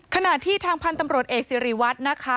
ขณะที่ทางพันธมรตเอกสิริวัตรนะคะ